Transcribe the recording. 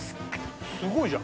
すごいじゃん。